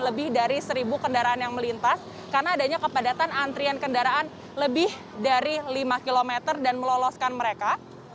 lebih dari seribu kendaraan yang melintas karena adanya kepadatan antrian kendaraan lebih dari lima km dan meloloskan mereka